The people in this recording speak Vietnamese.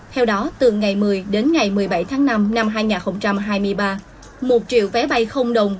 theo đó từ ngày một mươi đến ngày một mươi bảy tháng năm năm hai nghìn hai mươi ba một triệu vé bay không đồng